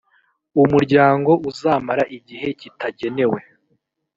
umuryango uzamara igihe kitagenewe